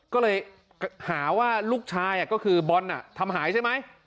ก็เลยหาว่าลูกชายก็คือบอลทำหายใช่ไหม